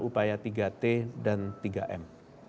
upaya tiga t dan tiga m